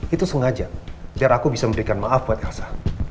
itu sengaja biar aku bisa memberikan maaf buat elsa